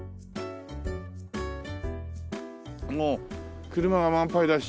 もう車は満杯だし。